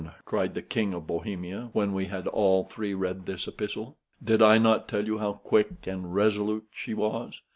cried the King of Bohemia, when we had all three read this epistle. "Did I not tell you how quick and resolute she was?